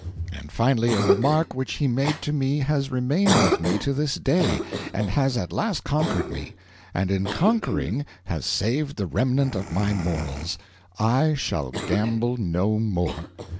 And finally, a remark which he made to me has remained with me to this day, and has at last conquered me; and in conquering has saved the remnant of my morals: I shall gamble no more.